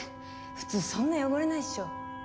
普通そんな汚れないっしょ。